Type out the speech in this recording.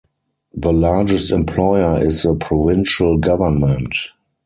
The largest employer is the provincial government.